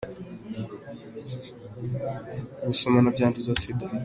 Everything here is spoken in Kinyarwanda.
Gusomana byanduza Sinda